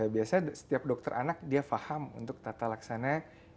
biasanya setiap dokter anak dia faham untuk tata laksana